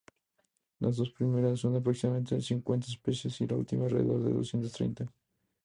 Las dos primeras son aproximadamente cincuenta especies y la última alrededor de doscientas treinta.